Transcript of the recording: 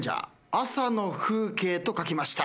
「朝の風景」と書きました。